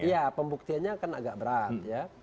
ya pembuktiannya akan agak berat